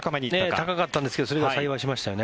高かったんですけどそれが幸いしましたよね。